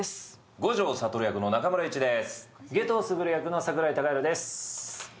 五条悟役の中村悠一です。